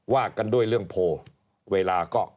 ว่ากันด้วยเรื่องโพล